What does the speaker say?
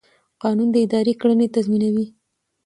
قانون د ادارې کړنې تنظیموي.